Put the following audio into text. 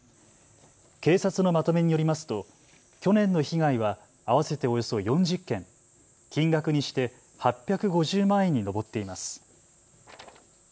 警察のまとめによりますと去年の被害は合わせておよそ４０件、金額にして８５０万円に上っています。